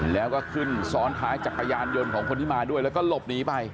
แล้วก็ขึ้นซ้อนท้ายจักรยานยนต์ของคนที่มาด้วยแล้วก็หลบหนีไป